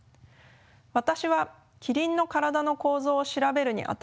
私はキリンの体の構造を調べるにあたり